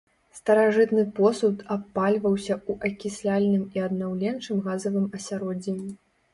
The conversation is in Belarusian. Старажытны посуд абпальваўся ў акісляльным і аднаўленчым газавым асяроддзі.